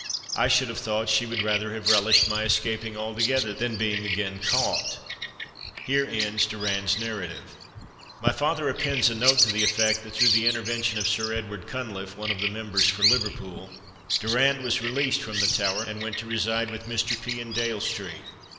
I should have thought she would rather have relished my escaping altogether, than being again caught." Here ends Durand's narrative. My father appends a note to the effect that, through the intervention of Sir Edward Cunliffe, one of the members for Liverpool, Durand was released from the Tower, and went to reside with Mr. P in Dale street.